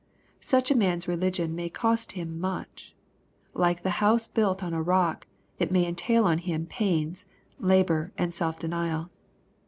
Such a man's religion may cost him much. Like the house built on a rock, it may entail on him pains, labor, and self denial.